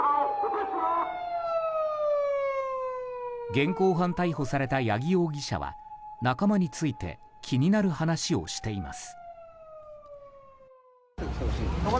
現行犯逮捕された八木容疑者は仲間について気になる話をしています。